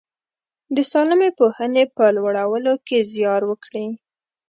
د سالمې پوهنې په لوړولو کې زیار وکړي.